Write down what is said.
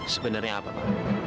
sebenarnya apa pa